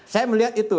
saya melihat itu